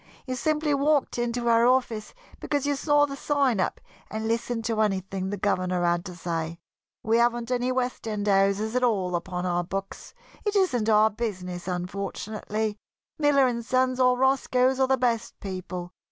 You simply walked into our office because you saw the sign up, and listened to anything the governor had to say. We haven't any west end houses at all upon our books. It isn't our business, unfortunately. Miller & Sons, or Roscoe's, are the best people.